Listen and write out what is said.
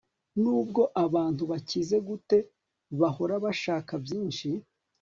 Nubwo abantu bakize gute bahora bashaka byinshi